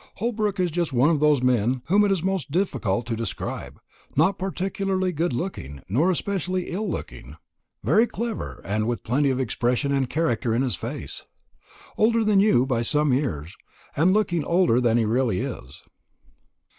Holbrook is just one of those men whom it is most difficult to describe not particularly good looking, nor especially ill looking; very clever, and with plenty of expression and character in his face. Older than you by some years, and looking older than he really is."